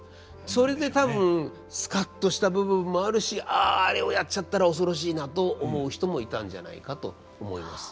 それで多分スカッとした部分もあるし「あああれをやっちゃったら恐ろしいな」と思う人もいたんじゃないかと思います。